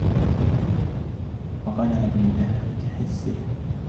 وَقَنَعَ بِمُدَاهَنَةِ حِسِّهِ